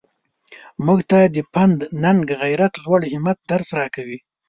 موږ ته د پند ننګ غیرت لوړ همت درس راکوي.